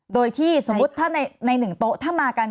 โดยที่สมมุติถ้าในหนึ่งโต๊ะถ้ามากัน